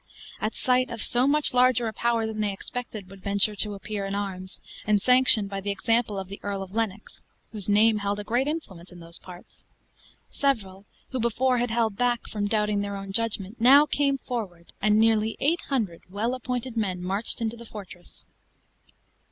At sight of so much larger a power than they expected would venture to appear in arms, and sanctioned by the example of the Earl of Lennox (whose name held a great influence in those parts), several, who before had held back, from doubting their own judgment, now came forward; and nearly eight hundred well appointed men marched into the fortress.